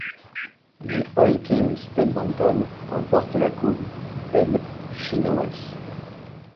Les Oil Kings d'Edmonton remportent la Coupe Ed Chynoweth.